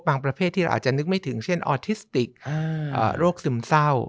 ประเภทที่เราอาจจะนึกไม่ถึงเช่นออทิสติกโรคซึมเศร้า